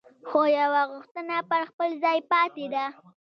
خو یوه غوښتنه پر خپل ځای پاتې ده.